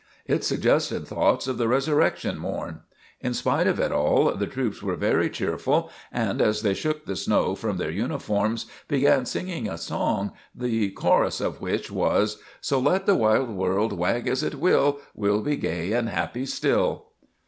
It suggested thoughts of the Resurrection morn. In spite of it all, the troops were very cheerful, and as they shook the snow from their uniforms, began singing a song, the chorus of which was: "So let the wide world wag as it will, We'll be gay and happy still!"